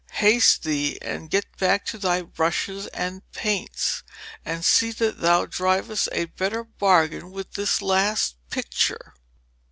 Haste thee and get back to thy brushes and paints, and see that thou drivest a better bargain with this last picture.'